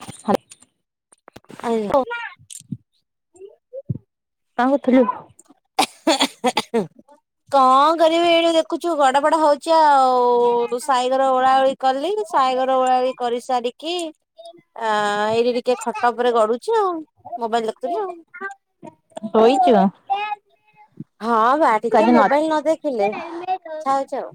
ହ [unintelligible] ଆଜ [unintelligible] କଣ କରଥିଲୁ? [inaudible] କଣ କରିବି ଏଇଠି ଦେଖୁଛୁ ଗଡ ବଡ ହଉଛି ଆଉ ସାଇଘର ଓଳା ଓଳି କଲି ସାଇଗର ଘର ଓଳା ଓଳି ବି କରିସାରିକି ଆ ଏଇଠି ଟିକେ ଖଟା ଉପରେ ଗଡୁଛି ଆଉ ମୋବାଇଲ ଦେଖୁଥିଲି ଆଉ। ଶୋଇଛୁ? ହଁ ବା ଟିକେ ମୋବାଇଲ ନ ଦେଖିଲେ ଛି ଆଉ।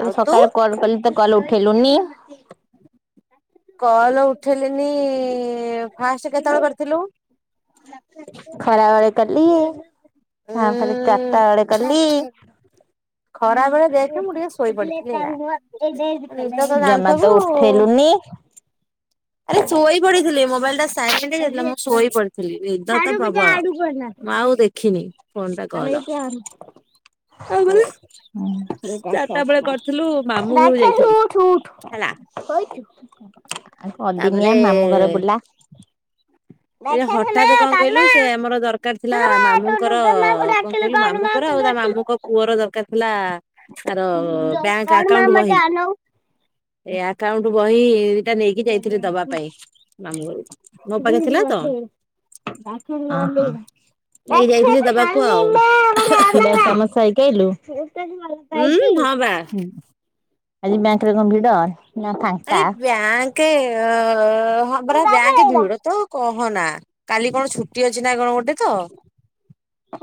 ତ ଆଉ ତୁ ସକାଳେ କଲ କଲେ ତ କଲ ଉଠେଇଲୁନି। କଲ୍ ଉଠେଇଲିନି ଫାଷ୍ଟ କେତେବେଳେ କରିଥିଲୁ? [inaudible] ଖରା ବଳେ କଲି ଉଁ ତା ଫରେ ଚାରିଟା ବେଳେ କଲି ଖରା ବେଳେ ଦେଖେ ମୁଁ ଟିକେ ଶୋଇ ପଡିଥିଲି ହେଲା ନିଦ ତ [inaudible] ଜାଣିଥିବୁ ଜାମାତ ଉଠେଇଲୁନି। [inaudible] ଆରେ ଶୋଇଇ ପଢିଥିଲି ମୁଁ। ାଇ ଯଥିଲା ମୁଁ ଶୋଇ ଉଠେଇଲୁନି। ପଡିଥିଲି ନିଦ ତ ପ୍ରବଳ ମୁ ଆଉ ଦେଖିନି ଫୋନ ଟା କଲ। [inaudible] ଆଉ [inaudible] ଉଠୁ ମାମୁଁ ଘରୁ ଯାଇଥିଲି ଉଠୁ ହେଲା କହିଛୁ। ଆ ଅଦିନିଆ ତାପରେ ମାମୁଁ ଘରେ ବୁଲା ଏଇ ଯେ ରାକ୍ଷସ ମା ହଠାତ କଣ କହିଲୁ କାଲୁ ସେ ଆମର ଦରକାର ଥିଲା ମା ଦୁର୍ଗା ମା ତୁ ମାମୁଁଙ୍କର ଦୁର୍ଗା ମାକୁ କଣ ଡାକିଲୁ କହିଲୁ ଗଡୁ ମାମୁଁଙ୍କର ମାକୁ ଆଉ ତା ଡାକିଲୁ। ଆମାମୁ ପୁଅର ଦରକାର ଥିଲା ତାର ବ୍ୟାଙ୍କ ଗଡୁ ମା ଆକାଉଣ୍ଟ ମତେ ବହି ଆନଉ। ଏ ଆକାଉଣ୍ଟ ବହି ଏଇଟା ନେଇକି ଯାଇଥିଲଥିଲେ ଦବା ପାଇଁ ମାମୁ ଘରୁ ମୋ ପାଖେ ଥିଲା। ତ ହଁ ହଁ। ନେଇକି ଯାଇଥିଲି [inaudible] ଦବାକୁ ଆଉ ହୁଁ ଆଜି ବ୍ୟାଙ୍କ ଉଁ ହଁ ବା ରେ କଣ ଭିଡ? ନା ଆରେ ଫାଙ୍କା? ବ୍ୟାଙ୍କ ହଁ ପରା ବ୍ୟାଙ୍କ ଭିଡ ତ କହନା କାଲି କଣ ଛୁଟି ଅଛି ନା କଣ ଗୋଟେ ତ ପା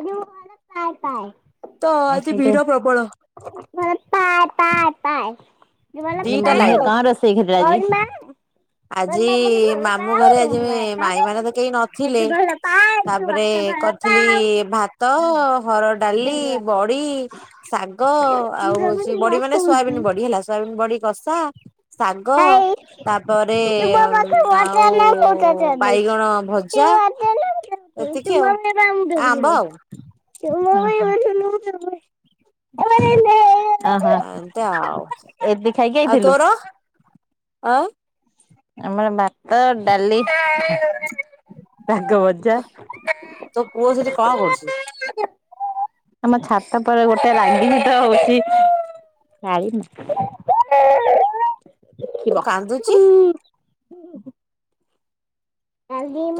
ତ ପା ପା ଆଜି ଭିଡ ପ୍ରବଳ। [unintelligible] ଦିଟା ଲାଇନି କଣ ରୋଷେଇ ଘ ଆଜି ମାମୁଁ ଘରେ ଆଜି ମାଇଁ ମାନେ ତ କେହି ନଥିଲେ। ତାପରେ [inaudible] କରିଥିଲି [inaudible] ଭାତ ହର ଡାଲି ବଡି ଶାଗ ଆଉ ହଉଛି ବଢି ମାନେ ସୋୟାବିନ ବଢି ହେଲା ସୋୟାବିନ୍ ବଢି ବସା ଶାଗ ତା ତା ପରେ ଆଉ ବାଇଗଣ ଭଜା କେ ଏତିକି ଆଉ ମାଇ ରାାମ ଧର ଆମ୍ବ ଗଲେ ଆଉ। କେ ମାଇ ବ [inaudible] ଏନ୍ତ ଆଉ ଖାଇକି ଆଉ ଆଇଥିଲୁ ତୋରା ଆ ଆମର ବା ତ ଡାଲି ସାଗ ଭଜା ତୋ ପୁଅ ସେଠି କଣ କରୁଚୁ? ଆମ ଛାତ ପରେ ଗୋଟେ ରାଙ୍ଗିଙ୍ଗଟ ହଉଛି [inaudible] କ କାନ୍ଦୁଚି। [inaudible]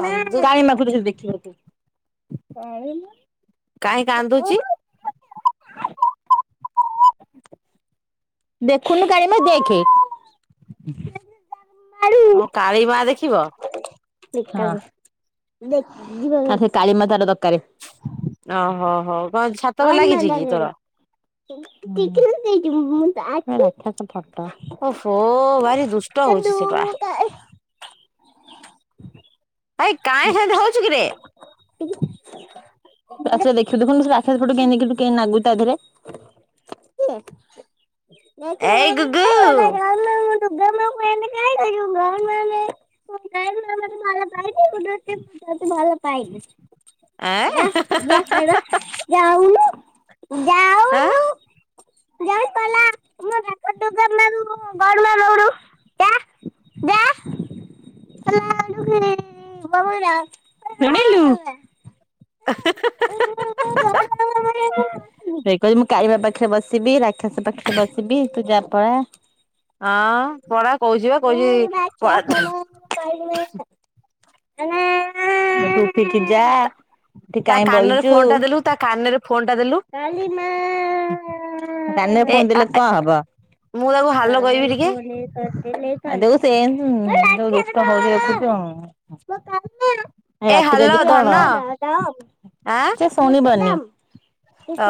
କାନ୍ଦୁ କାହିଁ କାନ୍ଦୁଚି? [inaudible] ଦେଖୁନୁ କନି ମା ଦେଖେ ହଁ କାଳି ମା ଦେଖିବ? ସେ କାଳି ମା ତାର ଦରକାର। ଓହୋ ହୋ କଣ ଛାତବେଳେ ଲାଗିଛି କି ତୋର। [inaudible] ଓ ଫୋ ଭାରି ଦୁଷ୍ଟ ହଉଛି ସେଟା। ଆାଇ କାଁ ସେମିତୀ ହଉଚୁ କିରେ? ଆଛା ଦେଖିବୁ ଦେଖନ୍ତୁ ସେ ରାକ୍ଷ ପଟୁ କେ କେ କେ ନାଗୁ ତା ଦେହରେ ଏଇ ଗୁଗୁ [unintelligible] [unintelligible] ଏଁ [unintelligible] [unintelligible] ଆଁ [unintelligible] [unintelligible] [unintelligible] [unintelligible] ଖସ ପାଖ ବସିବି ତୁଜା ପଳା। ହଁ ପାଲା [unintelligible] ତା କାନରେ ଫୋନ ଟା ଦେଲୁ ତା କାନରେ ଫୋନ [unintelligible] ଟା ଦେଲୁ [unintelligible] କାନ ରେ ଏ ଫୋନ୍ ଦେଲେ କଣ ହବ। ମୁଁ ତାକୁ ହାଲୋ କହିବି ଟିକେ [unintelligible] ରାତିରିକ ଏ ହାଲୋ ଧନ କଣ ଆଁ ସେ ଶୁଣିବନି।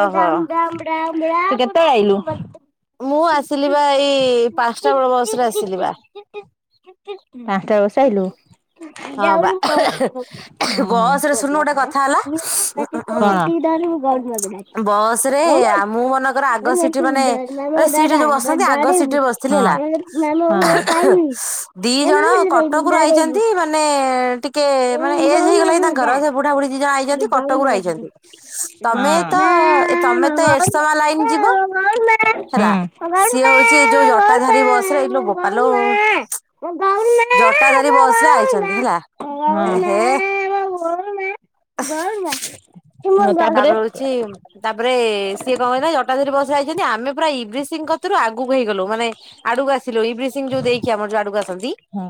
ଓହୋ ମୁଁ ଆସିଲି ବା ଏଇ ପାଞ୍ଚଟା ବେଳ ବୟସରେ ଆସିଲ ବା। ପାଞ୍ଚଟା ବଷାର ଆଇଲୁ। ହଁ ବା। ବସ ରେ ଶୁଣୁ ଗୋଟେ କଥା ହେଲା [unintelligible] [unintelligible] ବସ ରେ ମୁଁ ମନେକର ଆଗ ସିଠି ମାନେ ସିଠି ଯୋଉ ବସନ୍ତି ଆଗ ସିଠିରେ ବସିଥିଲି ହେ ଦି ଜଣ କଟକରୁ ଆଇଛନ୍ତି ମାନେ ମାନେ ଟିକେ ମାନେ ଏଜ ହେଇଗଲାଣି ତାଙ୍କର ସେ ବୁଢା ବୁଢ଼ୀ ଦି ଜଣ ଆଇଛନ୍ତି କଟକରୁ ଡାଡେଇବୁ ଆଇଛନ୍ତି। ତମେ ହଁ। ତ ଏ ତମେ ତ ଏଠ ସମ ଲାଇନ ଯିବ। ହେଲା ସିଏ ହଉଛି ଏଇ ଯୋଉ ଜଟାଧାରୀ ବସରେ ଏଇ ଲ ଗୋପାଲ ଜଟା ଧରୀ ବସେ ଆଇଛି ଛନ୍ତି ହେଲା ହେ ହେ ତାପରେ ଅ ତାପରେ ସିଏ କଣ କହିଲେ ଜଟାଧରୀ ବସା ଯଇଛନ୍ତି ଆମେ ପୁରା ଇ୍ରି ସିଂ କତିରୁ ଆଗକୁ ହେଇଗଲୁ ମାନେ ଆଡୁକୁ ଆସିଲୁ ଏଇ ବସିଂ ଯୋଉ ଦେଇକି ଆମର ଯୋଉ ଆଡୁକୁ ଆସନ୍ତି। ହଁ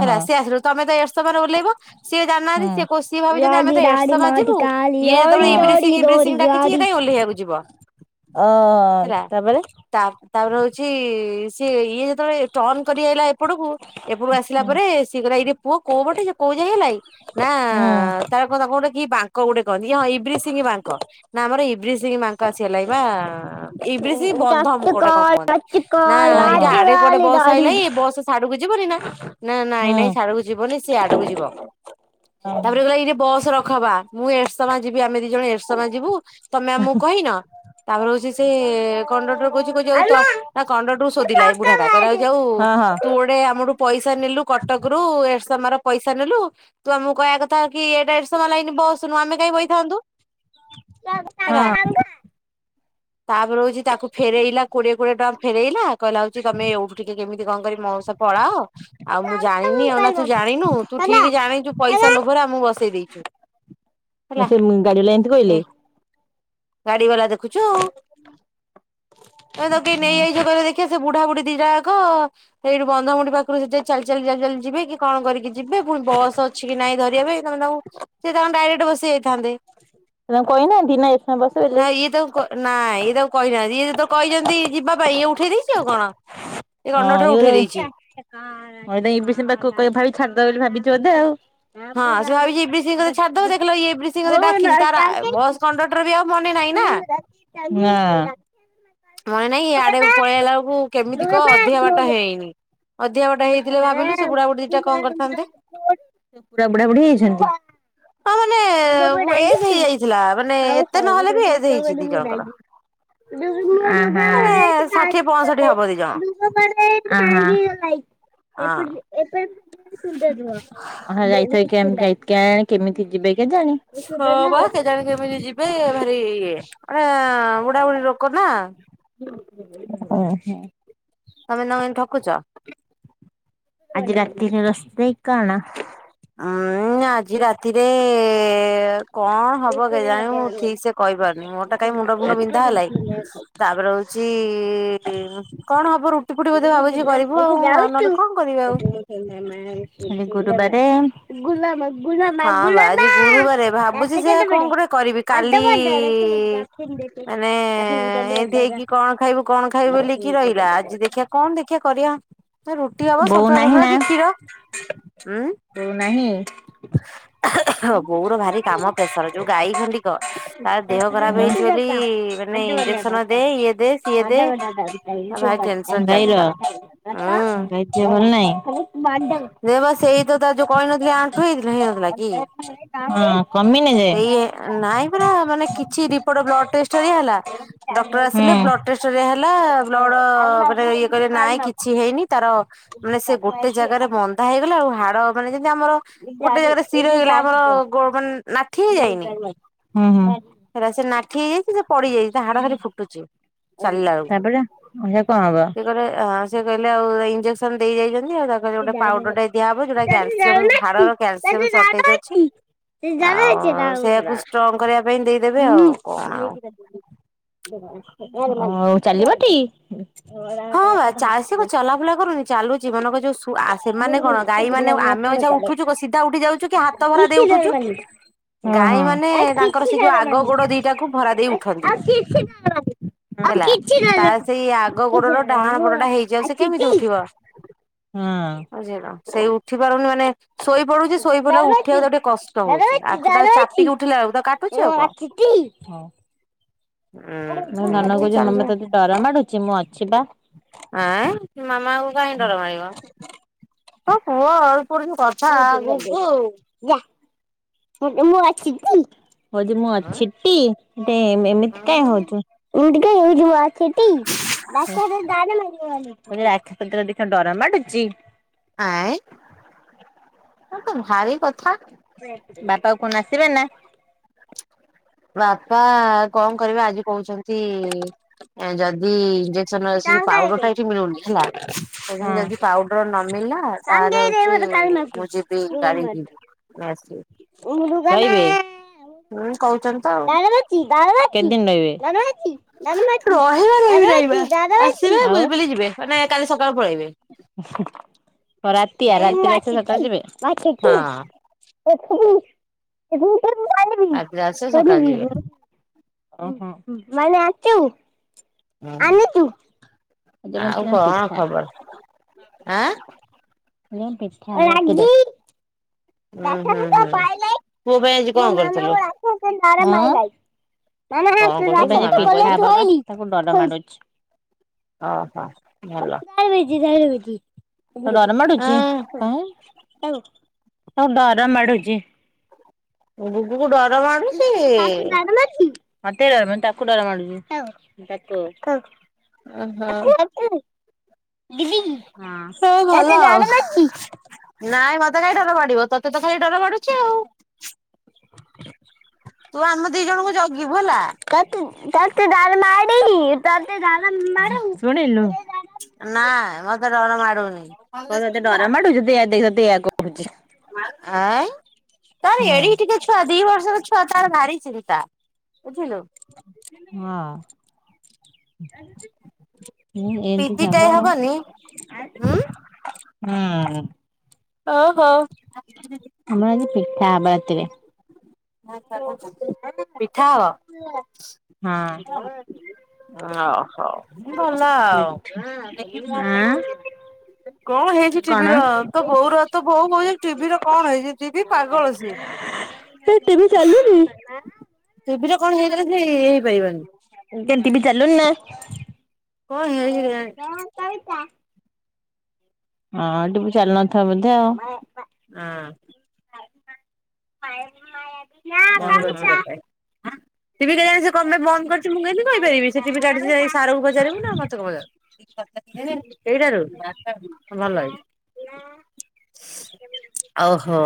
ହେ ରା ହଁ ସି ଆସିଲୁ ତମେ ତ ଏସ୍ତରେ ଓଲେଇବା। ସିଏ ଜାଣିନାହାନ୍ତି ହଁ। ସି କ ସିଏ ଭାବିଛନ୍ତି ଆମେ ରାଡି ତ ରାଡି ଏଡଶମା ମାଟି ଯିବୁ କାଲି ଇଏ ରଡି ରଡି ଏବ୍ରୀସିଂ ଏବ୍ରିସିଂ ଦୋରି ଡାକିଚି ଇଏ ଗାଡି। କଣ ପାଇଁ ଓଲେଇବାକୁ ଯିବ। ଅ ହେଲା ତାପରେ ତାପରେ ହଉଛି ସିଏ ଇଏ ଳେ ଟର୍ଣ କରି ଆଇଲା ଏପଟକୁ ଏପଟକୁ ଆସିଲା ହୁଁ। ପରେ ସିଏ କଲା ଏଇଟେ ପୁଅ କୋଉ ପଟେ କୋଉ ଯାଇ ହେଲାଇ ନା ହୁଁ। ତାର କଣ ତା ଗୋଟେ କି ବା କୋ ଗୋଟେ କହନ୍ତି ହଁ ଇବ୍ରିସିଂହ ବାଙ୍କ ନା ଆମର ଇବ୍ରିସିଂ ମାଙ୍କ ଆସିଗଲା ଏ ବା ଏବ୍ରୀସିଂ ବନ୍ଧ ମୁକ ଗୋଟେ କଣ ଚଟକଲ କୁହନ୍ତି ନା ମଚକଲ ଏଇଟା ନାଚ ଆଡେ କୁଡେ ଗାଲି ବସ ଡାଡି। ହେଇିଲା ଏଇ ବସ ଛାଡୁକୁ ଯିବନି ନା ନାଇଁ ହୁଁ। ନାଇଁ ସେ ଆଡକୁ ଯିବନି ସେ ଆଡକୁ ଯିବ ହଁ। ତାପରେ ଗହିଲ ଏଇଟ ବସ ର ଖ ବା ମୁଁ ଏରସମା ଯିବି ଆମେ ଦି ଜଣ ଏରସମା ଯିବୁ ତମେ ଆମକୁ କହିନ। ତାପରେ ହଉଛି ସେ କଣ୍ଟକ୍ଟର କହୁଛି କହୁ ଆଉ ନା କଣ୍ଟକ୍ଟରକୁ ସୋଧିଲା ଏଇ ବୁଢା ଟା କହିଲା ଏ ଯୋଉଁ ତୁଆଡେ ଆମଠୁ ପଇସା ନେଲୁ କଟକ ରୁ ଏଡ୍ସମ ମ ର ପଇସା ନେଲୁ ତୁ ଆମକୁ କହିବା କଥା କି ଏଡେସମଲାଇନି ବସ ନୁ ଆମେ କାଇଁ ବସିଥାନ୍ତୁ। ହଁ। ତାପରେ ହଉଛି ତାକୁ ଫେରଇଲା କୋଡିଏ କଡିଏ ଟଙ୍କା ଫେରଇଲା କହିଲା ହଉଛି ତମେ ଏଉଠୁ ଟିକେ କେମିତି କଣ କରି ମୋଉ ପଳାଅ ଆଉ ମୁଁ ଜାଣିନି ଆଉ ନା ତୁ ଜାଣିନୁ ତୁ ଠିକ ଜାଣିଛୁ ପଇସା ଲୋଭରେ ଆମକୁ ବସେଇ ଦେଇଛୁ। ହେଲା ସେ ଗାଡି ଲ ଏମତି ଏ କହିଲେ [unintelligible] ଗାଡି ବାଲା ଦେଖୁଛୁ, ଆଉ ତମେ ତ କେ ତାଙ୍କୁ ନେଇଯାଇଛ [unintelligible] ଦେଖିବା ସେ ବୁଢା ବୁଢ଼ୀ ଦିଟାକ ସେଇଠି ବନ୍ଧମୁଢଠି ପାଖରୁ ସେଠି ଚାଲି ଚାଲି ଚାଲି ଚାଲି ଯିବେ କି କଣ କରିକି ଯିବେ ପୁଣି ବସ ଅଛି କି ନାଇଁ ଧରିବା ପାଇଁ ତମେ ତାଙ୍କୁ ସେ ତାଙ୍କଙ୍କୁ ଡାଇରେକ୍ଟ ବସିଯାଇ ତା କହିହନା ଦିନ ଯସୁନା ବସ ବଲି [unintelligible] ନାଇଁ ଇଏ ତାକୁ କହିନାହାନ୍ତି, ଇଏ ତ କହିଛନ୍ତି ଯିବା ପାଇଁ -ଇଏ ଉଠେଇ ଦେଇେଛି ଆଉ କଣ? ଏ କଣ୍ଡକ୍ଟର ଉଠେଇ ହଁ ଦେଇଛି। ଭାବି ଛାଡିଦ ବୋଲି ଭାବିଛ ବୋଧେ ହଁ ସେ ଭାବିଛି ଇବ୍ରି ଆଉ ସିଂ ବୋଧେ ଛାଡିଦବ [unintelligible] ଦେଖିଲା ବେଳକୁ ଇବ୍ରି ସିଂ ବୋଧେ ହଁ ଡାକିଛି ତାର ବୁୁରବଟ ବସ୍ କଣ୍ଡକ୍ଟର ବି ଆଉ [unintelligible] ମନେ ନାହିଁ ନା। ହୁଁ ରା [unintelligible] ନଇଁ ନଇଁ ଆଡେ ପଳେଇଲା ବେଳକୁ, କେମିତି କହ ଅଧିକା ବାଟ ନା। ହେଇନି ଅଧା ବଟା ହେଇଥିଲେ ଭାବିଲୁ- ସେ ବୁଢାବୁଢ଼ୀ ଦିଟା କଣ କରିଥାନ୍ତେ? ପୁରା ବୁଢା ବୁଢୀ ହେଇଛନ୍ତି? ହଁ ମାନେ ତୁ ମତେ ଏଜ ରାଗିଚୁ ହେଇଯାଇଥିଲା, ମାନେ ହଉ ଏତେ ନହେଲେ ବି ଏଜ ହେଇଛି ଦି ଜଣଙ୍କର ମୁ [unintelligible] ଭାଇ ମାନେ ଲୁ ମାନାଇ [unintelligible] ଷାଠିଏ ପଞ୍ଚଷଠି ହବ ଦି ଜଣ ହଁ। [unintelligible] କେ କେମିତି ଯିବେ? କେଜାଣି? ହଁ ବା କେଜାଣି କେମିତି ଯିବେ ଭାରି ଇଏ, ମାନେ ବୁଢାବୁଢୀ ରୋକ ହଁ ହ [unintelligible] ତମେ ନ ଠକୁଛ [unintelligible] [inaudible] ଆଜି ରାତିରେ ରୋଷେଇ କଣ? ଉୁଁ, ଆଜି ରାତିରେ କଣ ହବ କେଜାଣି, ମୁଁ ଠିକ ସେ କହିପାରୁନି -ମୋର ଟା କାଇହିଁ ମୁଣ୍ଡ ଫୁଣ୍ଡ ବିନ୍ଧା ହେଲାଇ, ତାପରେ ହଉଛି କଣ ହବ ରୁଟି ଫୁଟି ବୋଧେ ଦେଖି ଭାବୁଛି କରିବୁ ଆଉ, ଆ ଉ ନହେଲେ କଣ କରିବ ଆଉ ଗୁରୁ ବା ଗୁଲା [unintelligible] ହଁ ବା ଆଜି ଗୁରୁବାର, ଦାନ୍ତ ଭାବୁଛି ସେ କଣ କେତେବଡେ ଗୋଟେ କରିବି ଅଧ କାଲି ବଡ ରଖ ଦକ୍ଷିଣ ଦେଖେ ମାନେ, ଏମତି ହେଇକି କଣ? କଣ ଖାଇବୁ, କଣ ଖାଇବୁ, ବୋଲି କିି ରହିଲା ଆଜି ଦେଖଆ କଣ ଦେଖିଆ କରିବା ହବ ବୋଉ ସନ୍ତୁଳା ନାହିଁ ଫନ୍ତୁଳା ନା, କି କ୍ଷୀର ବୋଉ ନାହିଁ ହଁ ବୋଉର ଭାରି କାମ ପ୍ରେସର, ଯୋଉ ଗାଈ ଖଣ୍ଡିକ, ତାର ଦେହ ଖରାପ ହେଇଛି ବୋଲି ମାନେ ଇ ଇ ସିଏ ଭାର [unintelligible] ହଁ ନ ବା ସେଇ ତ ତା ଯୋଉ କହିନଥିଲି ଆଣ୍ଠୁ ହେଇ [unintelligible] କି ବଡ ନାଇଁ ପରା ମାନେ କିଛି ରିପଟ [unintelligible] ଲା ହୁଁ ଡକ୍ଟର ଆସିଲେ, ବ୍ଲଡ ହୁଁ ଟେଷ୍ଟ ହେଲା, ବ୍ଲଡ ମାନେ ଇଏ କି କିଛି ହେଇନି, ତାର ମାନେ ସେ ଗୋଟେ ଜାଗାରେ ମନ୍ଦା ହେଇଗଲା, ଆଉ ହାଡ ମାନେ ଯେମିତି ଆମର ଗୋଟେ ଜାଗାରେ ଶିର ହେଇଗଲା ଆମର ମାନେ ନାଠ ହେଇ ଯାଇନି। ସେଇଟା ସେ ନାଠି ହେଇଯାଇଛି ସେ ପଡିଯାଇଛି ସେ ହାଡ ଖାଲି ଫୁଟୁଛି। ଚାଲିଲା ବେଳକୁ, ତାପରେ ଏଇଟା କଣ ହବ? ସେଏ କହିଲେ, ସେ କହିଲେ ଆଉ ଇଂଜେକ୍ସନ ଦେଇ ଯାଇଛନ୍ତି ତାରେ ଗୋଟେ ପାଉଡର ଟା ଦିଆ ହବ ଯଉଟା କଲ୍ସିୟମ ଘାଡ଼ର ଆ ହୁଁଉ ହଉ ଚାଲିବ ଟି [unintelligible] ହଁ ବା ଚାଷୀ କ ଚଲା ଫୁଲା କରୁନି ଚାଲୁଛି, ଜୀବକୁଯୋଉ ସେମାନେ କଣ ଗାଈ ମାନେ ଆମେ ମନଇଛା ଉଠୁଛୁ ସିଧା ଉଠି ଯାଉଛୁ କି ହାତ ଭରା ଦେଇ ଉଠୁଛୁ ଗାଈ ମାନେ ତାଙ୍କର ସେ ଯଉ ହଁ ଆଗ ହଁ। ଗୋଡ ଦିଟାକୁ ଭରା ଦେଇ ଆଉ ଉଠନ୍ତି। କିଛି ଡରନି ଆଉ ହେଲା କିଛି ତାର ଡରନି ସେଇ ଆଗ କିଛି ଗୋଡର ଡରନି ଡାହାଣ ମୁଁ ପଟଟା ହେଇଚି । ଆଉ ସେ ଅଛି କେମିତି ଟି? ଉଠିବ? ହଁ। ବୁଝିଲ, ସେଇ ଉଠି ପାରୁନି ମାନେ ଶୋଇ ପଡୁଛି, ଶୋଇ ପଡିଲାକୁ ଡରମାଟି ଉଠିବାକୁ ତାକୁ ଟିକେ କଷ୍ଟ ହଉଛି, ଡରମାଟି ଆଣ୍ଠ ଟା ଚାପିକି ଉଠିଲା ବେଳକୁ ତ କାଟୁଛି ଆଉ କଣ? ହି [unintelligible] ମୋ ଉଁ ଧନ ଏମିତି କହୁଛି ଚାଲିଚି -ମମି ତତେ ଡର ମାଡୁଛି ମୁଁ ଅଛି ପା। ଆଁ ମାମାକୁ କାହିଁକି ଡର ମାରିବ ମୋ ପୁଅ। ତୋର ଯୋଉ କଥା ଯା ମୁଁ ଗୁୁଗୁ। ଛିଙ୍କୁ କଇଦେ ମୁଁ ଅଛିଟି ଟେ ଏମିତି କାଇଁ ଉଁ ହଉଚୁ ଏମିଟି କେ ଏଇଟିପା ଅଛିଟି ଦାନ୍ତ ରେ ଦାଢି ମାରୁ ରେ ଆଖି ପତଟା ଦେଖା ଡର ମାଡ଼ୁଚି। ତରତ ଭାରି କଥା। ବାପା କଣ ଆସିବେନା। ବାପା କଣ କରିବେ ଆଜି କହୁଛନ୍ତି ଯଦି ଯଦି ଇଜସନ୍ ସେ ଯୋଉ ତାଙ୍କ ପାଉଡର ଆଇଲେ। ଟା ଏଠି ମିଳୁନି ହେଲା କୋଉଚନ୍ତି ହଁ। ଯଦି ପାଉଡର ନ ମିଳିଲା ତା ତାରେ ହଉଚି ମୁଁ ଯିବି ଗାଡ଼ି ନେଇ ଆସିବି। ହେଇରେ। ହୁଁ କହୁଛନ୍ତି ତ ଆଉ ରହିବା ରହିବି ରାଇବା। ଆସିବେ ବୁଲି ବୁଲି ଯିବେ ନାଇ କାଲି ସକାଳୁ ପଳେଇବେ। ରାତି ଆ ଏ ରାତି ଆସିଥିଲେ ସକାଳେ ଯିବେ। ହଁ [unintelligible] ଆଜିର ଆସିବେ ସକାଳୁ ଯିବେ। ମାନେ ଆଚୁ ହୁଁ କରିଚୁ। ଆଉ ଯେମନ୍ତି ଆ କଣ ପିଠା। ଖବର ଆଁ ରାଗିତ୍ ହୁଁ ଦେଖ ହୁଁ ଦେଖ ହୁଁ ପୁଅ ପାଇଁ ଆଜି କଣ ପାଇଲାଇମୋ ମାମ କରିଥିଲୁ ର ଉ କଣ କରୁଛୁ ମାମା କୁ ଆଜି ପିଠା ତାକୁ ଓହୋ ଡରମାରୁଛି। ଭଲ। [unintelligible] ଡର ମାଡୁଚି ହଁ ଡର ମାଡୁଚି। ଗୁଗୁ କୁ ଡର ମାଡ଼ୁଚି। ତତେ ଡର ମାଡୁଛି? ମତେ ଡର ମାଡ଼ୁନି ତାକୁ ଡର ମାଡ଼ୁଚି କାକୁ ତାକୁ କାକୁ। ଓ ହୋ। ଦିଦି ଭଲ ତତେ ଆଉ ଡର ଲାଗୁଚି। ନାଇଁ ମତେ ଖାଇ ଡର ମାଡିବ ତୋତେ ତ ଖାଲି ଡର ମାଡୁଛିଆଉ। ଜଣଙ୍କୁ ଜଗିବୁ ହେଲା ତତେ ତତେ ଡର ମାଡିନି। ତତେ ଡର ମାଡୁନି ଶୁଣିଲୁ। ନା ମତେ ଡର ମାଡୁନି। କଣ ଆଁ ତତେ ଡର ମାଡୁଛି ତୁ ଏୟା ଦେଖ ତତେ ଏଇଆ କହୁଛି। ତାର ଏଡିକି ଟିକେ ଛୁଆ ଦି ବର୍ଷର ଛୁ ଆ ତାର ଭାରି ଚିନ୍ତା ବୁଝିଲୁ। ହଁ। ହୁଁ ଏମିତି ପିଦି ଟାଏ ହେବ। ହବନି ଉଁ ହୁଁ। ଓହୋ। ଆମର [unintelligible] ପିଠା ହବ। ହଁ। ଓହୋ ଭଲ ଆଉ। ଆଁ କଣ ହେଇଚି କଣ? ଟିଭି ର ତ ବୋଉ ର ତ ବୋଉ ବୋଉଟିଭି ର କଣ ହେଇଚି ଟିଭି ପାଗଳ ସିଏ। ହେ ଟିଭି ଚାଲୁନି। ଟିଭିର କଣ ହେଇଗଲେ ସେ ଇଏ ହେଇପାରିବନି କେତି ବି ଚାଲୁ ନା କଣ ହେଇଛି କେଜାଣି ହଁ ଟିଭି ଚାଲୁ ନଥିବ ବୋଧେ। ହଁ [unintelligible] [unintelligible] ଟିଭି କେଜାଣି ସେ କଣ ପାଇଁ ବନ୍ଦ କରିଚି ମୁଁ କେମିତି କହିପାରିବି ସେ ଟିଭି କାଟିଚି ଯାଇକି ସାରକୁ ପଚାରିବୁ ନା ମତେ କଣ ପଚା ସେଇଟାରୁ ହଁ ଭଲ ହେଇଚି। ନା। ଓହୋ।